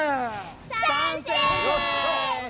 さんせい！